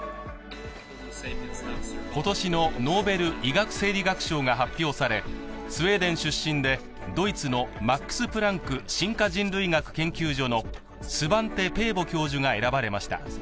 今年のノーベル医学生理学賞が発表されスウェーデン出身で、ドイツのマックス・プランク進化人類学研究所のスバンテ・ペーボ教授が選ばれました。